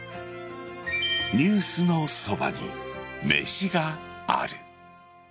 「ニュースのそばに、めしがある。」